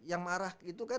yang marah gitu kan